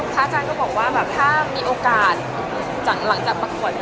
นี่ก็คือท่านก็บอกว่าถ้ามีโอกาสหลังจากประกวดเด้น